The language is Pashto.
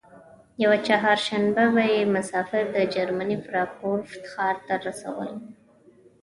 یوه چهارشنبه به یې مسافر د جرمني فرانکفورت ښار ته رسول.